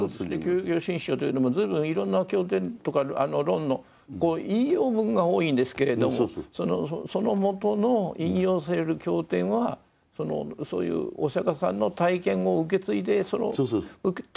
「教行信証」というのも随分いろんな経典とか論の引用文が多いんですけれどもその元の引用される経典はそういうお釈さんの体験を受け継いでその体験を持ってる人が後年にまた著していらっしゃると。